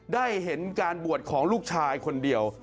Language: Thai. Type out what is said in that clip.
ได้เห็นการบวชของลูกชายคนเดียว